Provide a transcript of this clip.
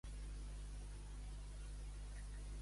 Morir com xinxes.